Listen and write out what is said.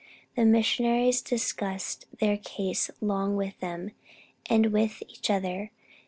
The missionaries discussed their case long with them and with each other.